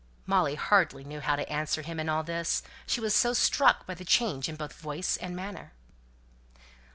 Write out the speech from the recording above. Molly hardly knew how to answer him in all this; she was so struck by the change in both voice and manner.